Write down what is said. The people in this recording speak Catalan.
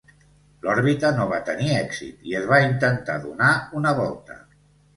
L'òrbita no va tenir èxit i es va intentar donar una volta.